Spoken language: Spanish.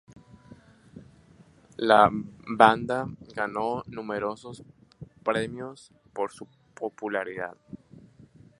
La banda ganó numerosos premios por su popularidad.